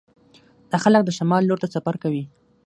دا خلک د شمال لور ته سفر کوي